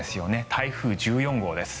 台風１４号です。